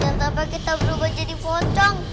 jangan sampai kita berubah jadi potong